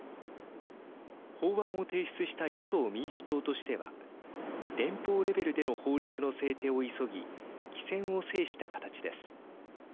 法案を提出した与党・民主党としては連邦レベルでの法律の制定を急ぎ機先を制した形です。